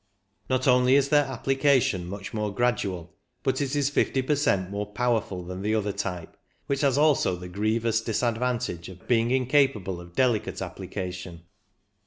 Not only is their appli cation much more gradual, but it is fifty per cent more powerful than the other type, which has also the grievous disadvantage of being incapable of delicate application.